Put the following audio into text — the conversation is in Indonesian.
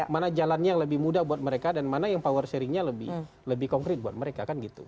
mana jalannya yang lebih mudah buat mereka dan mana yang power sharingnya lebih konkret buat mereka kan gitu